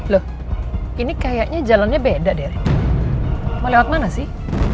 loh ini kayaknya jalannya beda deh mau lewat mana sih